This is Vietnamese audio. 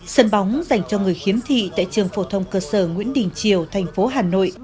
sân bóng dành cho người khiếm thị tại trường phổ thông cơ sở nguyễn đình triều thành phố hà nội